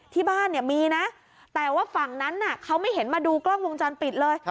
ที่บ้านเนี่ยมีนะแต่ว่าฝั่งนั้นเขาไม่เห็นมาดูกล้องวงจรปิดเลย